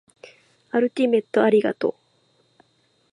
アルティメットありがとう